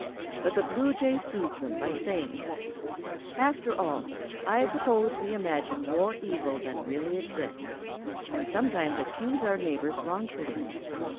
But the bluejay soothed them by saying: "After all, I suppose we imagine more evil than really exists, and sometimes accuse our neighbors wrongfully.